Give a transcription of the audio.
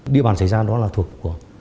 địa bàn xảy ra đó là thuộc của